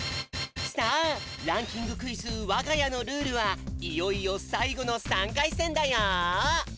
さあランキングクイズ「わがやのルール」はいよいよさいごの３かいせんだよ！